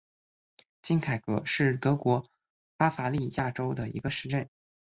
金钦格是德国巴伐利亚州的一个市镇。